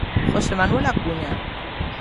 José Manuel Acuña.